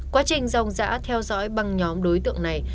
quá trình dòng dã theo dõi bằng nhóm đối tượng này